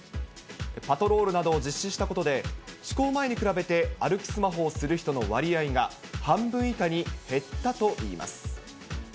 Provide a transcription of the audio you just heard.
パトロールなどを実施したことで、施行前に比べて、歩きスマホをする人の割合が半分以下に減ったといいます。